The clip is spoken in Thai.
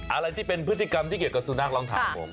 อะไรที่เป็นพฤติกรรมที่เกี่ยวกับสุนัขลองถามผม